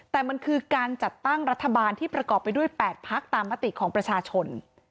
แต่มันคือการจัดตั้งรัฐบาลที่ประกอบไปด้วย๘พักตามมติของประชาชน